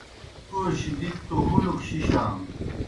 اوشیْ دِتیْ توْ ہُلَک شِشانوْ۔